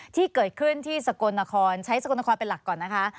ที่เกิดขึ้นที่สกลนครใช้สกลนครเป็นหลักก่อนนะคะ